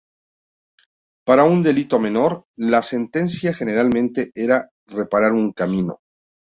Para un delito menor, la sentencia generalmente era reparar un camino.